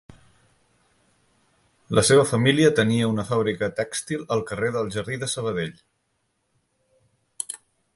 La seva família tenia una fàbrica tèxtil al carrer del Jardí de Sabadell.